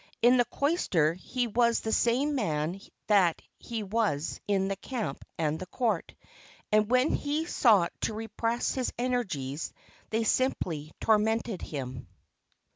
In the Cloister he was the same man that he was in the Camp and the Court, and when he sought to repress his energies, they simply tormented him.